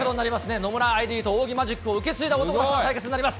野村ＩＤと仰木マジックを受け継いだ対決となります。